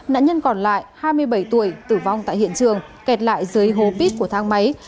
nạn nhân còn lại hai mươi bảy tuổi tử vong tại hiện trường kẹt lại dưới hố bít của thang máy